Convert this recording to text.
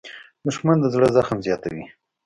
دښمن د زړه زخم زیاتوي